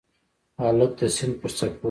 هلک د سیند پر څپو